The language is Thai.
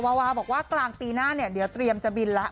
วาวาบอกว่ากลางปีหน้าเนี่ยเดี๋ยวเตรียมจะบินแล้ว